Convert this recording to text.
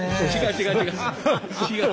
違う違う。